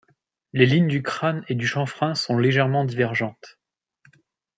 Les lignes du crâne et du chanfrein sont légèrement divergentes.